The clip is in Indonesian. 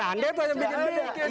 anda itu aja bikin bikin